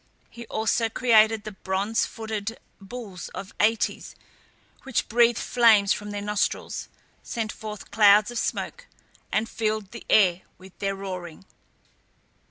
He also created the brazen footed bulls of Aetes, which breathed flames from their nostrils, sent forth clouds of smoke, and filled the air with their roaring.